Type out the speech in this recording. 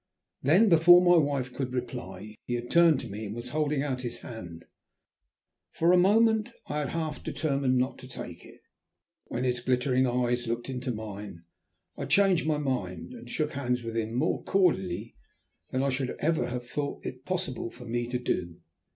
Then before my wife could reply he had turned to me and was holding out his hand. For a moment I had half determined not to take it, but when his glittering eyes looked into mine I changed my mind and shook hands with him more cordially than I should ever have thought it possible for me to do.